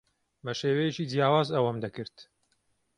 بە شێوەیەکی جیاواز ئەوەم دەکرد.